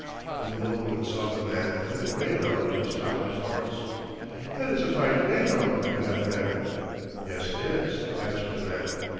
When the nobleman saw the man and the greyhound he stopped his horse. "That is a fine greyhound you have there." "Yes, it is," answered the man.